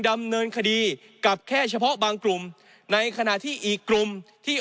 ดำเนินคดีกับแค่เฉพาะบางกลุ่มในขณะที่อีกกลุ่มที่